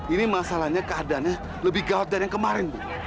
ini masalahnya keadaannya lebih gawat dari yang kemarin bu